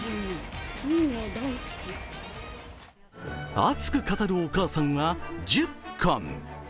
熱く語るお母さんは１０缶。